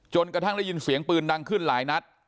กระทั่งได้ยินเสียงปืนดังขึ้นหลายนัด